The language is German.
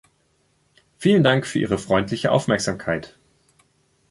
Vielen Dank für Ihre freundliche Aufmerksamkeit!